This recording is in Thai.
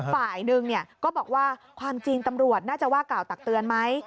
ฝ่ายหนึ่งก็บอกว่าความจริงตำรวจน่าจะว่ากล่าวตักเตือนไหม